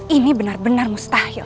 ini benar benar mustahil